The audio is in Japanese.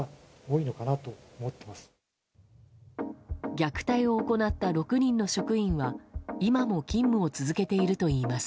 虐待を行った６人の職員は今も勤務を続けているといいます。